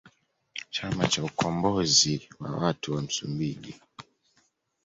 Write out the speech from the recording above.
Chama cha ukombozi wa watu wa Msumbiji